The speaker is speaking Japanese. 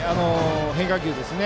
変化球でしたね。